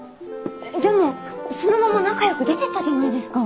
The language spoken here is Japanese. でもそのまま仲よく出て行ったじゃないですか。